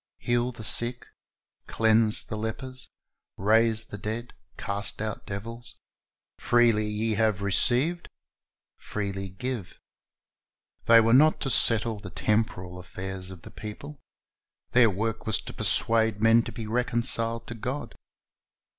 Heal the sick, cleanse the lepers, raise the dead, cast out devils: freely ye have received, freely give."' They were not to settle the temporal affairs of the people. Their work was to persuade men to be reconciled to God.